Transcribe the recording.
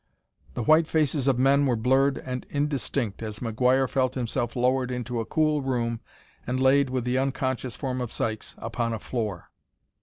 The white faces of men were blurred and indistinct as McGuire felt himself lowered into a cool room and laid, with the unconscious form of Sykes, upon a floor.